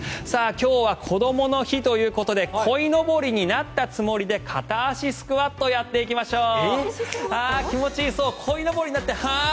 今日は、こどもの日ということでこいのぼりになったつもりで片足スクワットやっていきましょう。